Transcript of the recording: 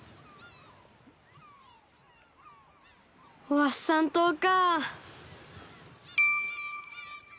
ワッサンとうか。